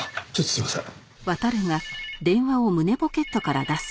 すいません。